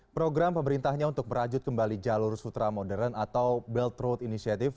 program pemerintahnya untuk merajut kembali jalur sutra modern atau belt road initiative